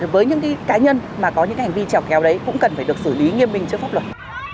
với những cá nhân mà có những hành vi treo kéo đấy cũng cần phải được xử lý nghiêm minh trước pháp luật